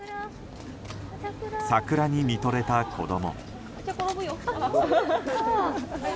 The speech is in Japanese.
桜に見とれた子供。